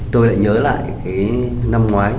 tôi lại nhớ lại cái năm ngoái